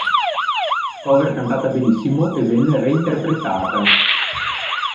Cover cantata benissimo e ben reinterpretata.